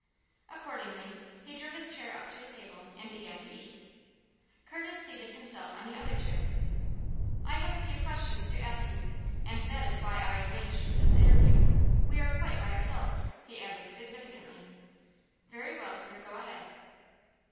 Accordingly, he drew his chair up to the table and began to eat. Curtis seated himself on the other chair. "I have a few questions to ask you, and that is why I arranged this interview. We are quite by ourselves," he added, significantly. "Very well, sir; go ahead."